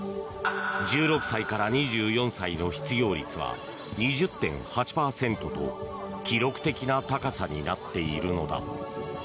１６歳から２４歳の失業率は２０．８％と記録的な高さになっているのだ。